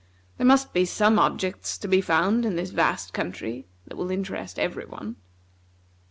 There must be some objects to be found in this vast country that will interest every one."